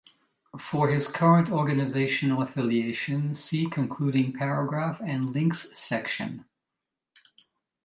For his current organisational affiliation, see concluding paragraph and links section.